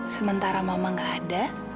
sementara mama gak ada